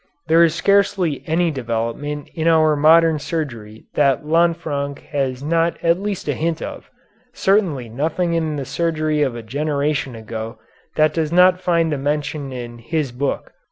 There is scarcely any development in our modern surgery that Lanfranc has not at least a hint of, certainly nothing in the surgery of a generation ago that does not find a mention in his book.